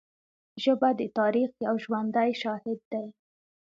ژبه د تاریخ یو ژوندی شاهد دی